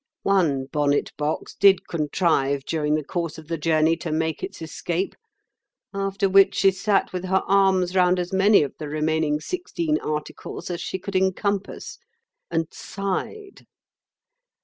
One bonnet box did contrive during the course of the journey to make its escape, after which she sat with her arms round as many of the remaining sixteen articles as she could encompass, and sighed."